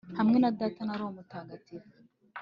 hamwe na data na roho mutagatifu